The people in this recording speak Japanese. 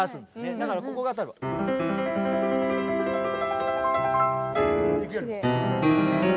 だからここが多分。っていくよりも。